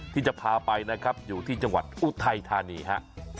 ที่จะพาไปนะครับอยู่ที่จังหวัดอุทัยธานีฮะ